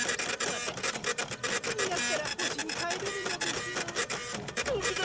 わたくしいつになったらほしにかえれるのでしょう。